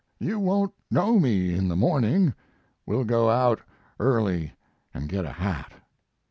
You won't know me in the morning. We'll go out early and get a hat."